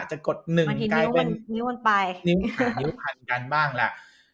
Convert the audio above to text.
จะกด๑เป็นกด๐๐๑บ้างล่ะ